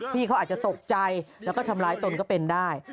พี่เขาอาจจะตกใจแล้วก็ทำร้ายตนก็เป็นได้